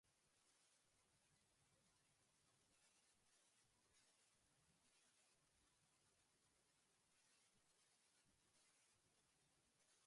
She represented the night and was pictured as a noble woman.